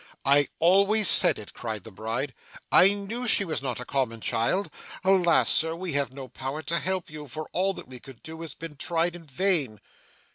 'I always said it!' cried the bride, 'I knew she was not a common child! Alas, sir! we have no power to help you, for all that we could do, has been tried in vain.